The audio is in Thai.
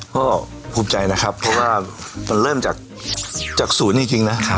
ก็ภูมิใจนะครับเพราะว่ามันเริ่มจากศูนย์จริงนะ